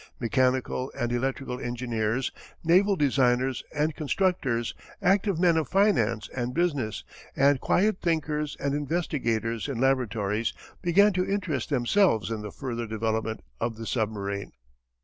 Mechanical and electrical engineers, naval designers and constructors, active men of finance and business, and quiet thinkers and investigators in laboratories began to interest themselves in the further development of the submarine.